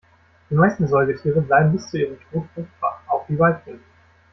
Die meisten Säugetiere bleiben bis zu ihrem Tod fruchtbar, auch die Weibchen.